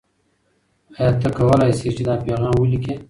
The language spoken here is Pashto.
آیا ته کولای سې چې دا پیغام ولیکې؟